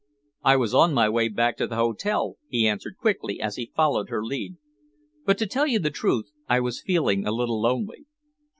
"I was on my way back to the hotel," he answered quickly, as he followed her lead, "but to tell you the truth I was feeling a little lonely."